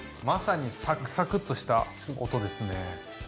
まさにサクサクッとした音ですね。